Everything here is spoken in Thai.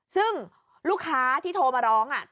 ซึ่งลูกค้าที่โทรมาร้อง